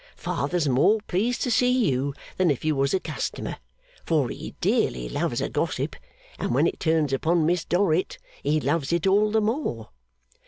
Father's more pleased to see you than if you was a customer, for he dearly loves a gossip; and when it turns upon Miss Dorrit, he loves it all the more.